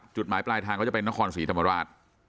จุดหมายปลายทางก็จะเป็นนครศรีธรรมราช